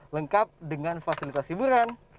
lengkap dengan fasilitas hiburan